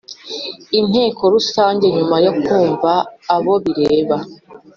n Inteko rusange nyuma yo kumva abo bireba